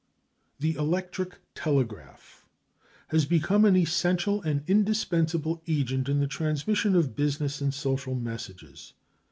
The electric telegraph has become an essential and indispensable agent in the transmission of business and social messages.